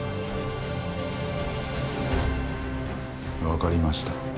わかりました。